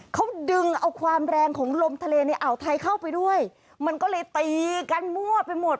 เขาดึงเอาความแรงของลมทะเลในอ่าวไทยเข้าไปด้วยมันก็เลยตีกันมั่วไปหมด